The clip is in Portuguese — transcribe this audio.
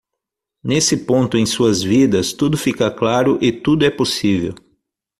Nesse ponto em suas vidas, tudo fica claro e tudo é possível.